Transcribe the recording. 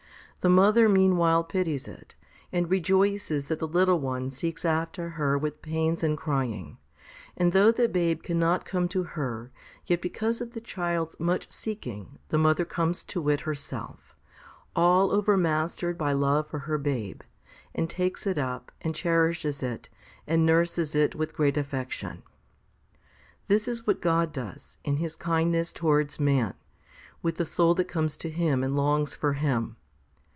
The mother mean while pities it, and rejoices that the little one seeks after her with pains and crying; and though the babe cannot come to her, yet because of the child's much seeking the mother comes to it herself, all over mastered by love for her babe, and takes it up, and cherishes it, and nurses it with great affection. This is what God does, in His kind ness towards man, with the soul that comes to Him and longs for Him.